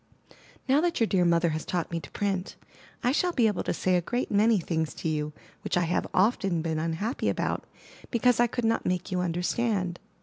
Now that your dear mother has taught me to print, I shall be able to say a great many things to you which I have often been unhappy about because I could not make you understand.